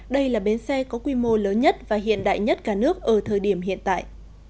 đây là bến xe có quy mô lớn nhất và hiện đại nhất cả nước ở thời điểm hiện tại